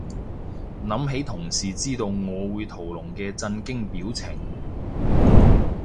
諗起同事知道我會屠龍嘅震驚表情